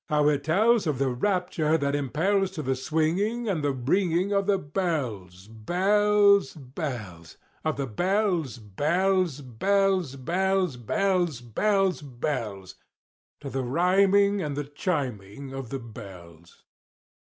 —how it tells Of the rapture that impels To the swinging and the ringing Of the bells, bells, bells— Of the bells, bells, bells, bells, Bells, bells, bells— To the rhyming and the chiming of the bells!